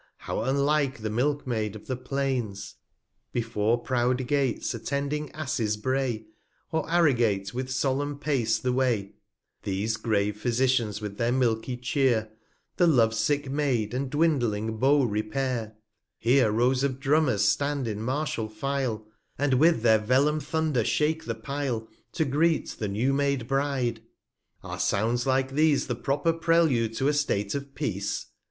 how unlike the Milk maid of the Plains! Before proud Gates attending Asses bray, Or arrogate with solemn Pace the Way; These grave Physicians with their milky Chear, 15 The Love sick Maid, and dwindling Beau repair ; Here Rows of Drummers stand in martial File, And with their Vellom Thunder shake the Pile, To greet the new made Bride. Are Sounds like these, '5 16 5T RI ' r I A The proper Prelude to a State of Peace?